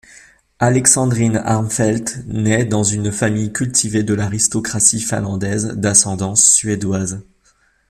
Alexandrine Armfelt naît dans une famille cultivée de l'aristocratie finlandaise, d'ascendance suédoise.